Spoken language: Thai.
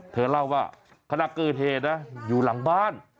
เธอเล่าว่าคณะเกอร์เทนะอยู่หลังบ้าน